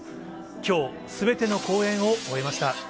きょう、すべての公演を終えました。